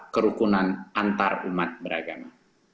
kerukunan antar umat beragama